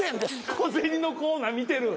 小銭のコーナー見てる？